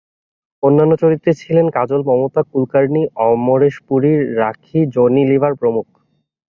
অন্যান্য চরিত্রে ছিলেন কাজল, মমতা কুলকার্নি, অমরেশ পুরী, রাখি, জনি লিভার প্রমুখ।